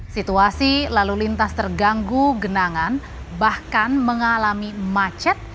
situasi lalu lintas terganggu genangan bahkan mengalami macet